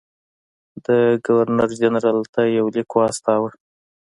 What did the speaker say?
ده ګورنرجنرال ته یو لیک واستاوه.